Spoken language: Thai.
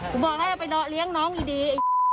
กูบอกให้เอาไปเลี้ยงน้องอย่างดี